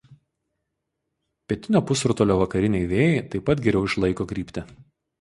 Pietinio pusrutulio vakariniai vėjai taip pat geriau išlaiko kryptį.